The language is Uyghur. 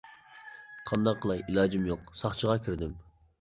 قانداق قىلاي، ئىلاجىم يوق. ساقچىغا كىردىم.